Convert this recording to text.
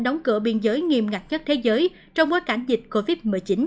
đóng cửa biên giới nghiêm ngặt nhất thế giới trong bối cảnh dịch covid một mươi chín